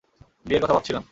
বিয়ের কথা ভাবছিলাম।